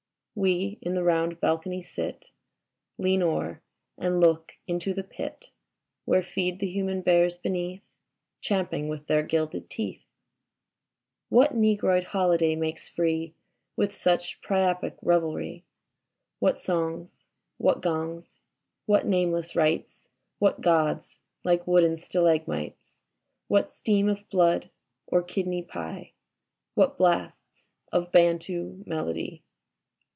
We in the round balcony sit, Lean o'er and look into the pit Where feed the human bears beneath. Champing with their gilded teeth. What negroid holiday makes free With such priapic reveky ? What songs ? What gongs .? What nameless rites ? \Miat gods like wooden stalagmites ? What steam of blood or kidney pie ? What blasts of Bantu melody